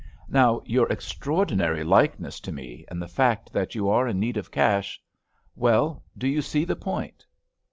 "Now, your extraordinary likeness to me, and the fact that you are in need of cash—well, do you see the point?"